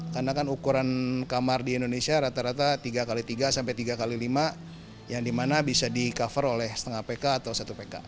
karena kan ukuran kamar di indonesia rata rata tiga x tiga sampai tiga x lima yang dimana bisa di cover oleh setengah pk atau satu pk